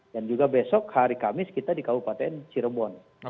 dan juga besok hari kamis kita di kabupaten cirebon